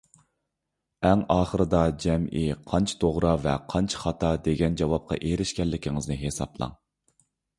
ئەڭ ئاخىرىدا جەمئىي قانچە «توغرا» ۋە قانچە «خاتا» دېگەن جاۋابقا ئېرىشكەنلىكىڭىزنى ھېسابلاڭ.